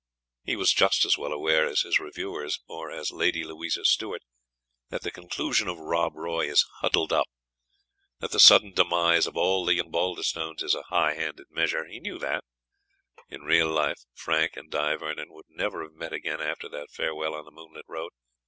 He was just as well aware as his reviewers, or as Lady Louisa Stuart, that the conclusion of "Rob Roy" is "huddled up," that the sudden demise of all the young Baldistones is a high handed measure. He knew that, in real life, Frank and Di Vernon would never have met again after that farewell on the moonlit road.